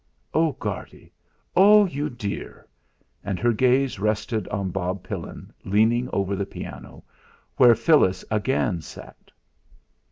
"Oh! Guardy! Oh! you dear!" And her gaze rested on Bob Pillin, leaning over the piano, where Phyllis again sat.